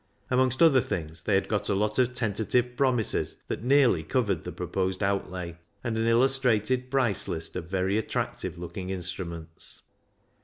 Amongst other things, they had got a lot of tentative promises that nearly covered the pro posed outlay, and an illustrated price list of very attractive looking instruments.